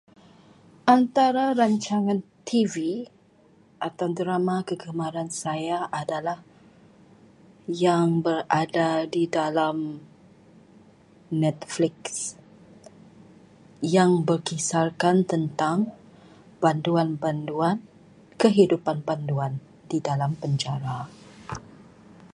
Antara rancangan TV atau drama kegemaran saya adalah yang berada di dalam Netflix, yang berkisarkan tentang banduan-banduan, kehidupan banduan di dalam penjara.